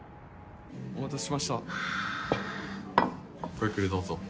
ごゆっくりどうぞ。